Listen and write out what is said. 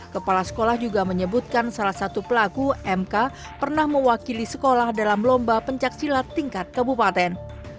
kepala sekolah juga menyebutkan salah satu pelaku mk pernah mewakili sekolah dalam lomba pencaksilat tingkat kabupaten